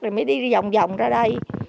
rồi mới đi vòng vòng ra đây